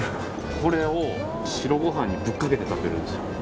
これを白ご飯にぶっかけて食べるんですよ。